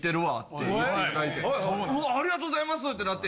「うわありがとうございます」ってなって。